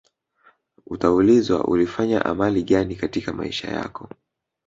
utaulizwa ulifanya amali gani katika maisha yako